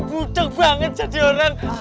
bujeng banget jadi orang